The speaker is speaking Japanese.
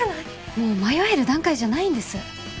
もう迷える段階じゃないんです。